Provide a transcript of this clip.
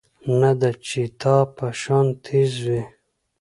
نۀ د چيتا پۀ شان تېز وي